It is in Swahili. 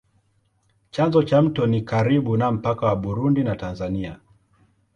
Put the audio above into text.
Chanzo cha mto ni karibu na mpaka wa Burundi na Tanzania.